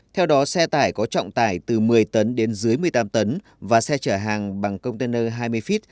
theo đó xe tải có trọng tải từ một mươi tấn đến dưới một mươi tám tấn và xe chở hàng bằng container hai mươi feet